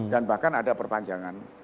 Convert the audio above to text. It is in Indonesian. dan bahkan ada perpanjangan